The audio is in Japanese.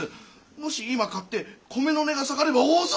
もし今買って米の値が下がれば大損！